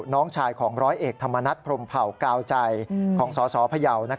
น้องชายของร้อยเอกธรรมนัฐพรมเผ่ากาวใจของสสพยาว